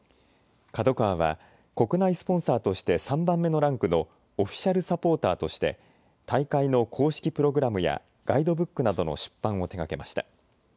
ＫＡＤＯＫＡＷＡは国内スポンサーとして３番目のランクのオフィシャルサポーターとして大会の公式プログラムやガイドブックなどの出版を手がけました。